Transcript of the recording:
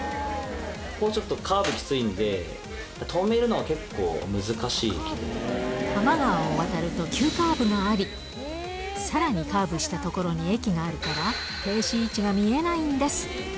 ここ、ちょっとカーブきつい多摩川を渡ると急カーブがあり、さらにカーブした所に駅があるから、停止位置が見えないんです。